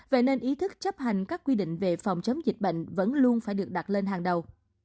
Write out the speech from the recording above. vậy nên ý thức chấp hành các quy định về phòng chống dịch bệnh vẫn luôn phải được đặt lên hàng đầu